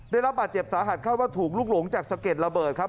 ได้รับบาดเจ็บสาหัสคาดว่าถูกลุกหลงจากสะเก็ดระเบิดครับ